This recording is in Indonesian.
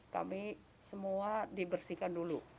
kami semua dibersihkan dulu